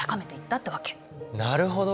なるほど。